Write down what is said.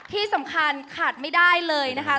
ที่สำคัญขาดไม่ได้เลยนะคะ